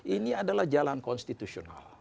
ini adalah jalan konstitusional